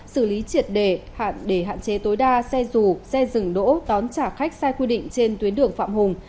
xử lý triệt đề để hạn chế tối đa xe dù xe dừng đỗ đón trả khách sai quy định trên tuyến đường phạm hùng